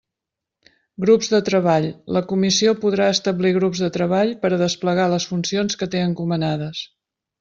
Grups de treball: la Comissió podrà establir grups de treball per a desplegar les funcions que té encomanades.